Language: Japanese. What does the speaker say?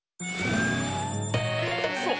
そう。